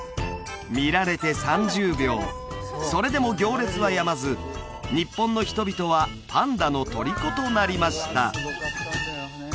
見られて３０秒それでも行列はやまず日本の人々はパンダのとりことなりました